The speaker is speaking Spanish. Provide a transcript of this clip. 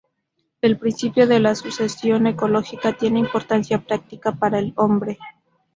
El principio de la sucesión ecológica tiene importancia práctica para el hombre.